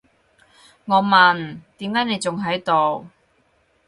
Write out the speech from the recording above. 我問，點解你仲喺度？